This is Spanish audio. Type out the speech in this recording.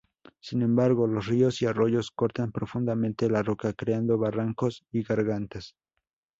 Sin embargo, los ríos y arroyos cortan profundamente la roca creando barrancos y gargantas.